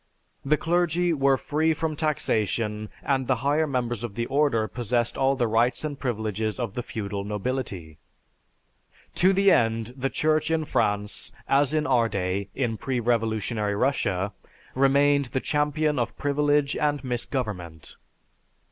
The clergy were free from taxation and the higher members of the order possessed all the rights and privileges of the feudal nobility. To the end the Church in France, as in our day, in pre revolutionary Russia, remained the champion of privilege and misgovernment.